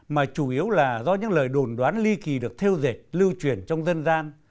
mà chủ yếu là do những lời đồn đoán ly kỳ được theo dệt lưu truyền trong dân gian